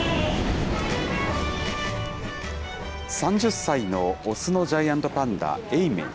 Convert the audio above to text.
３０歳の雄のジャイアントパンダ、永明。